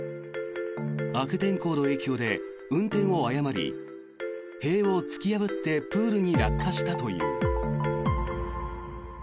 悪天候の影響で運転を誤り塀を突き破ってプールに落下したという。